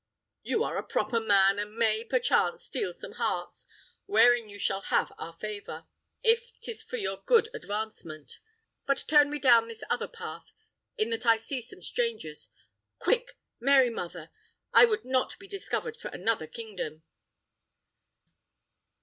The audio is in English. You are a proper man, and may, perchance, steal some hearts, wherein you shall have our favour, if 'tis for your good advancement. But turn we down this other path; in that I see some strangers. Quick! Mary Mother! I would not be discovered for another kingdom!"